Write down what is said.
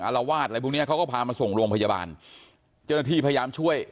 รวาสอะไรพวกเนี้ยเขาก็พามาส่งโรงพยาบาลเจ้าหน้าที่พยายามช่วย